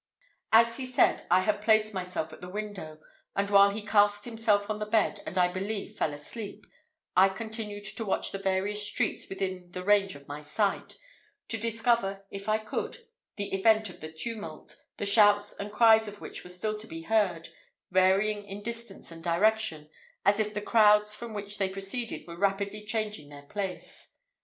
As he said, I had placed myself at the window, and while he cast himself on the bed, and I believe fell asleep, I continued to watch the various streets within the range of my sight, to discover, if I could, the event of the tumult, the shouts and cries of which were still to be heard, varying in distance and direction, as if the crowds from which they proceeded were rapidly changing their place.